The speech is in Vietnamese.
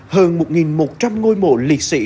hơn một một trăm linh ngôi mộ liệt sĩ